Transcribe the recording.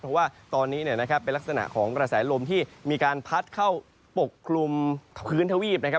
เพราะว่าตอนนี้เป็นลักษณะของกระแสลมที่มีการพัดเข้าปกคลุมพื้นทวีปนะครับ